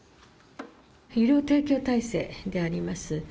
医療提供体制であります。